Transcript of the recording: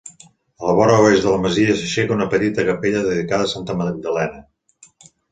A la vora oest de la masia s'aixeca una petita capella dedicada a Santa Magdalena.